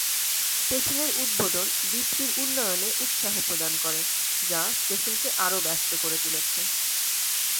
স্টেশনের উদ্বোধন দ্বীপটির উন্নয়নে উৎসাহ প্রদান করে, যা স্টেশনকে আরও ব্যস্ত করে তুলেছে।